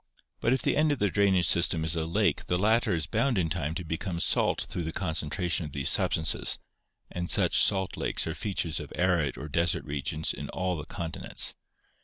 But if the end of the drainage system is a lake the latter is bound in time to become salt through the concentration of these substances, and such salt lakes are features of arid or desert regions in all the continents."